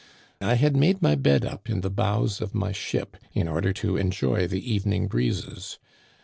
I had made my bed up in the bows of my ship, in order to enjoy the evening breezes.